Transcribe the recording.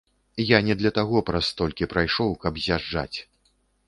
Я не для таго праз столькі прайшоў, каб з'язджаць.